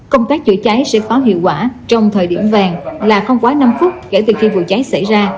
công tác chữa cháy sẽ có hiệu quả trong thời điểm vàng là không quá năm phút kể từ khi vụ cháy xảy ra